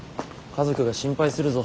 家族が心配するぞ。